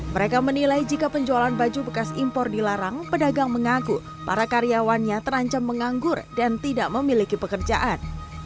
mereka menilai jika penjualan baju bekas impor dilarang pedagang mengaku para karyawannya terancam menganggur dan tidak memiliki pekerjaan